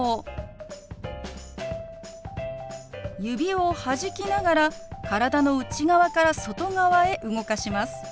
指をはじきながら体の内側から外側へ動かします。